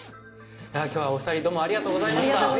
今日はお二人どうもありがとうございました。